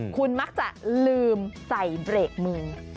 คุณมักจะลืมใส่เบรกมือ